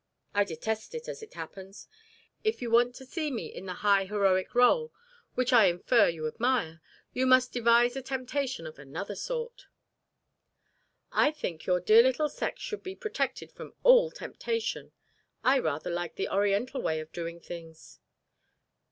"I detest it, as it happens. If you want to see me in the high heroic rôle, which I infer you admire, you must devise a temptation of another sort." "I think your dear little sex should be protected from all temptation. I rather like the Oriental way of doing things."